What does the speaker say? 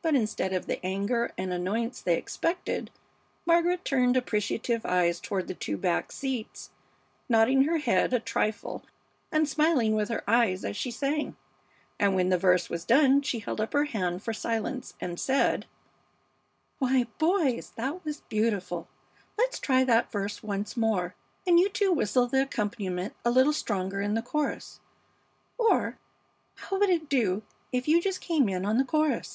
But instead of the anger and annoyance they expected, Margaret turned appreciative eyes toward the two back seats, nodding her head a trifle and smiling with her eyes as she sang; and when the verse was done she held up her hand for silence and said: "Why, boys, that's beautiful! Let's try that verse once more, and you two whistle the accompaniment a little stronger in the chorus; or how would it do if you just came in on the chorus?